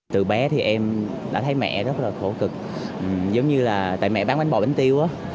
từ bé thì em đã thấy mẹ rất là khổ cực giống như là tại mẹ bán bánh bò bánh tiêu